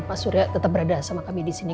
pak surya tetap berada sama kami di sini